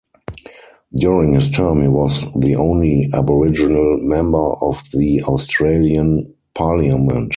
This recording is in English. During his term he was the only Aboriginal member of the Australian Parliament.